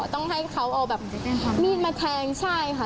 ต้องให้เขาเอาแบบมีดมาแทงใช่ค่ะ